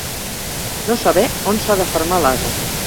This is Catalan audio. No saber on s'ha de fermar l'ase.